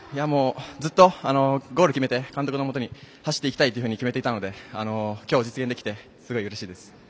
ずっと、ゴールを決めて監督のもとに走っていきたいと決めていたのできょう実現できてすごいうれしいです。